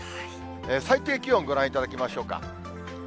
最低気温ご覧いただきましょうか。